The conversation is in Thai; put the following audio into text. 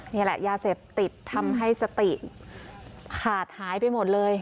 นี่แหละยาเสพติดทำให้สติขาดหายไปหมดเลย